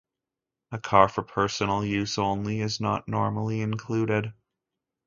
A car for personal use only is not normally included.